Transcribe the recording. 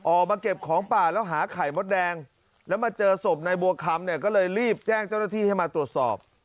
ออกมาเก็บของป่าแล้วหาไข่มดแดงแล้วมาเจอศพนายบัวคำเนี่ยก็เลยรีบแจ้งเจ้าหน้าที่ให้มาตรวจสอบ